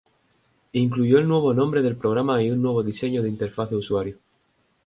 Incluyó el nuevo nombre del programa y un nuevo diseño de interfaz de usuario.